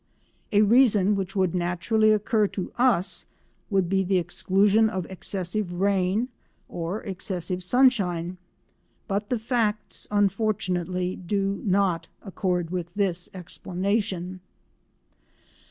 A reason which would naturally occur to us would be the exclusion of excessive rain or excessive sunshine, but the facts, unfortunately, do not accord with this explanation.